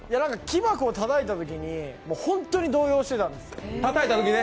木箱をたたいたときに本当に動揺していたんです。